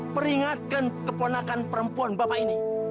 peringatkan keponakan perempuan bapak ini